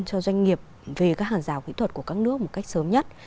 cho doanh nghiệp về các hàng rào kỹ thuật của các nước một cách sớm nhất